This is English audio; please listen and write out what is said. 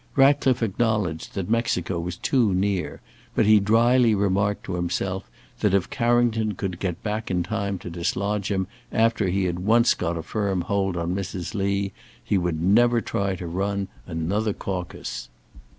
Ratcliffe acknowledged that Mexico was too near, but he drily remarked to himself that if Carrington could get back in time to dislodge him after he had once got a firm hold on Mrs. Lee, he would never try to run another caucus.